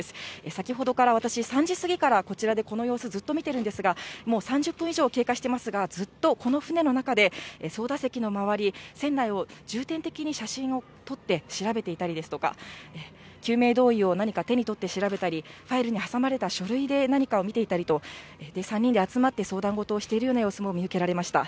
先ほどから私、３時過ぎからこちらでこの様子、じっと見てるんですが、もう３０分以上経過していますが、ずっとこの船の中で、操舵席の周り、船内を重点的に写真を撮って調べていたりですとか、救命胴衣を何か手に取って調べたり、ファイルに挟まれた書類で何かを見ていたりと、３人で集まって相談事をしているような様子も見受けられました。